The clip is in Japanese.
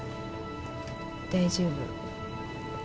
大丈夫。